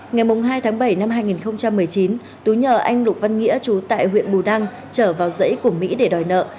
ngày hai tháng bảy năm hai nghìn một mươi chín tú nhờ anh lục văn nghĩa chú tại huyện bù đăng trở vào dãy của mỹ để đòi nợ